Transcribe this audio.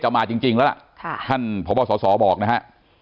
จะมาจริงแล้วท่านพบสบอกนะฮะ